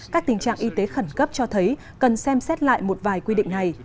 các tình trạng y tế khẩn cấp cho thấy cần xem xét lại một vài quy định này